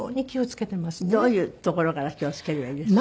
どういうところから気を付ければいいですか？